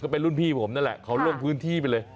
เป็นรุ่นพี่ผมนั่นแหละเขาลงพื้นที่ไปเลย